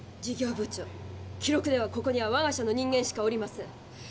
事業部長記録ではここにはわが社の人間しかおりません。